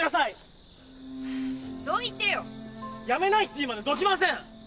やめないって言うまでどきません！